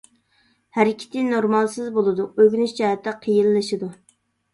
ھەرىكىتى نورمالسىز بولىدۇ، ئۆگىنىش جەھەتتە قىيىنلىشىدۇ.